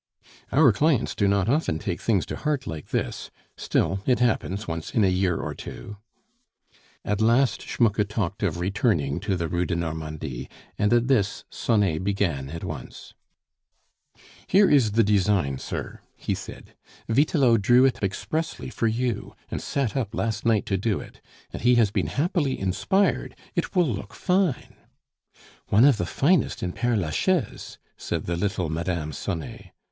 "Our clients do not often take things to heart like this; still, it happens once in a year or two " At last Schmucke talked of returning to the Rue de Normandie, and at this Sonet began at once. "Here is the design, sir," he said; "Vitelot drew it expressly for you, and sat up last night to do it.... And he has been happily inspired, it will look fine " "One of the finest in Pere Lachaise!" said the little Mme. Sonet.